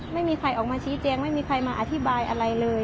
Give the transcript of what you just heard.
ไม่มีใครออกมาชี้แจงไม่มีใครมาอธิบายอะไรเลย